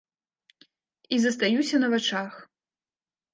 І застаюся на вачах.